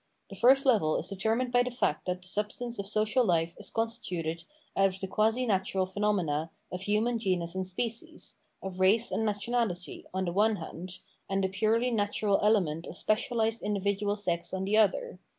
The first level is determined by the fact that the substance of social life is consti tuted out of the quasi natural phenomena of human genus and species, of race and nationality, on the one hand, and the purely natural element of specialised individual sex on the other.